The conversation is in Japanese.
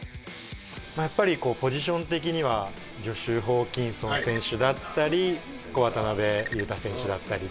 やっぱりポジション的にはジョシュ・ホーキンソン選手だったり渡邊雄太選手だったりっていう。